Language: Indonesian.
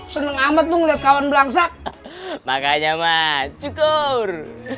seneng amat melihat kawan melangsap makanya mat cukur